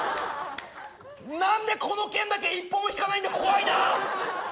なんでこの件だけ一歩も引かないんだ、怖いな。